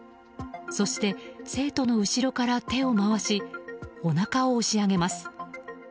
そして、生徒の後ろから手を回しおなかを押し上げます。